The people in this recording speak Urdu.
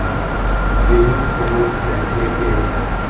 یہی سمجھ بیٹھے کہ